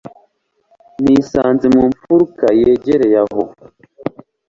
Nisanze mu mfuruka yegereye aho